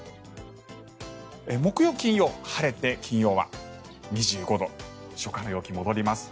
木曜、金曜晴れて金曜は２５度初夏の陽気が戻ります。